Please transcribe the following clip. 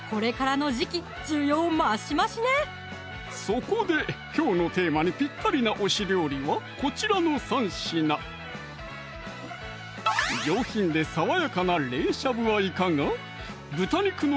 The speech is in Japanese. そこできょうのテーマにぴったりな推し料理はこちらの３品上品で爽やかな冷しゃぶはいかが？